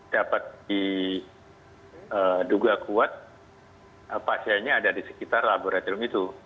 dapat diduga kuat pasiennya ada di sekitar laboratorium itu